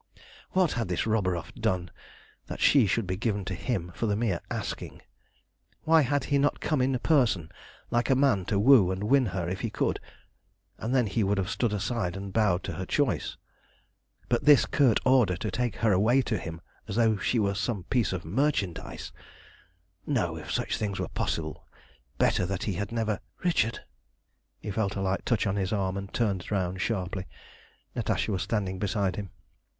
What had this Roburoff done that she should be given to him for the mere asking? Why had he not come in person like a man to woo and win her if he could, and then he would have stood aside and bowed to her choice. But this curt order to take her away to him as though she were some piece of merchandise no, if such things were possible, better that he had never "Richard!" He felt a light touch on his arm, and turned round sharply. Natasha was standing beside him.